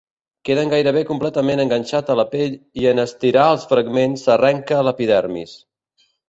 Queden gairebé completament enganxat a la pell i en estirar els fragments s'arrenca l'epidermis.